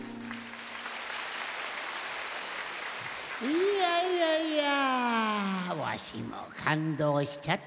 いやいやいやわしもかんどうしちゃったな。